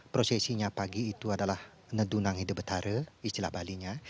prosesinya pagi itu adalah nedunang hidup betare istilah balinya